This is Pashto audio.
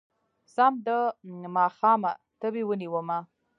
سم د ماښامه تبې ونيومه